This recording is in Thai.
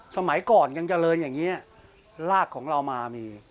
สมัยก่อนยังเจริญอย่างนี้รากของเรามามี